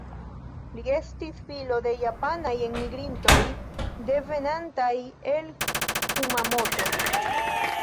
Li estis filo de japanaj enmigrintoj, devenantaj el Kumamoto.